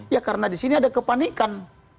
ya karena disini ada kepanikan